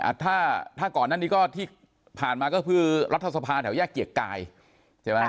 ถ้าถ้าก่อนหน้านี้ก็ที่ผ่านมาก็คือรัฐสภาแถวแยกเกียรติกายใช่ไหม